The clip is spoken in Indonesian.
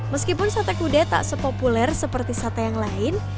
meskipun sate kude tak sepopuler seperti sate yang lain